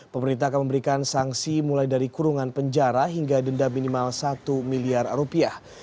pemerintah akan memberikan sanksi mulai dari kurungan penjara hingga denda minimal satu miliar rupiah